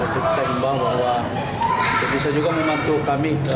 kita imbau bahwa bisa juga membantu kami